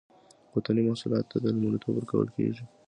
وطني محصولاتو ته لومړیتوب ورکول کیږي